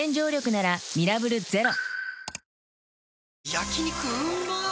焼肉うまっ